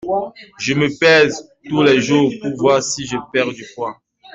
Je me pèse tous les jours pour voir si je perds du poids.